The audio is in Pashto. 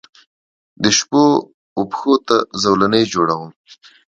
دشپووپښوته زولنې جوړوم